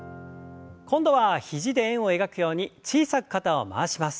今度は肘で円を描くように小さく肩を回します。